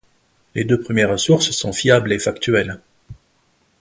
Les deux premières sources sont fiables et factuelles.